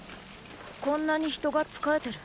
こんなに人が仕えてる。